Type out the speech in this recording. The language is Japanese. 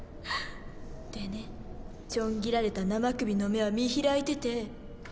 でねちょん切られた生首の目は見開いてて。